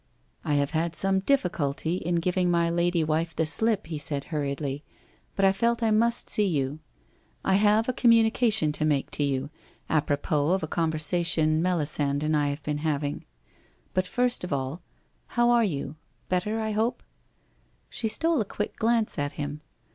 * I have had some difficulty in giving my lady wife the slip/ he said hurriedly, ' but I felt I must see you. I have a communication to make to you — apropos of a conversa tion Melisande and I have been having. But first of all, how are you ? Better, I hope ?' She stole a quick glance at him.